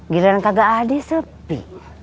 giliran kagak ade sepi